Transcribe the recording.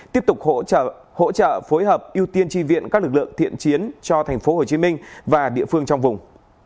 tiếp tục hỗ trợ phối hợp ưu tiên tri viện các lực lượng thiện chiến cho thành phố hồ chí minh và địa phương trong vùng